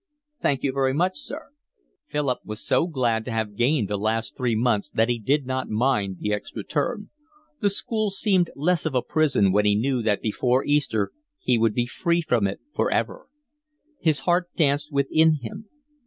"Thank you very much, sir." Philip was so glad to have gained the last three months that he did not mind the extra term. The school seemed less of a prison when he knew that before Easter he would be free from it for ever. His heart danced within him.